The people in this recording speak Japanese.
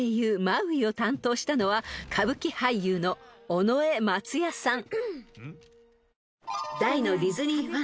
マウイを担当したのは歌舞伎俳優の尾上松也さん］